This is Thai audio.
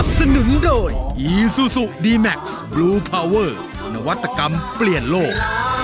ภาษากรรมเปลี่ยนโลก